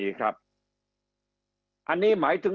คำอภิปรายของสอสอพักเก้าไกลคนหนึ่ง